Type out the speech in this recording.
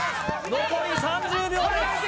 残り３０秒です